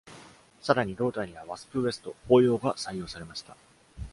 さらに、胴体には「ワスプ・ウエスト（蜂腰）」が採用されました。